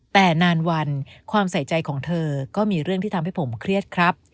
แต่นานวันความใส่ใจของเธอก็มีเรื่องที่ทำให้ผมเครียดครับ